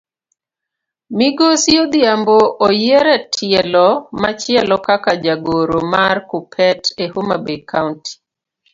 Migosi odhiambo oyier etielo machielo kaka jagoro mar kuppet e homabay county.